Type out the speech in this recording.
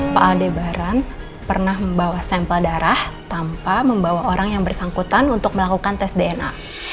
pak aldebaran pernah membawa sampel darah tanpa membawa orang yang bersangkutan untuk melakukan tes dna